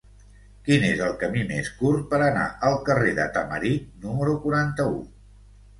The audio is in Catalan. Quin és el camí més curt per anar al carrer de Tamarit número quaranta-u?